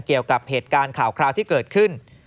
เกี่ยวกับเหตุการณ์ข่าวคราวที่เกิดขึ้น